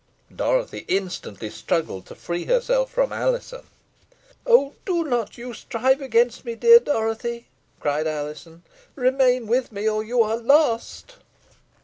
Dorothy instantly struggled to free herself from Alizon. "Oh! do not you strive against me, dear Dorothy," cried Alizon. "Remain with me, or you are lost."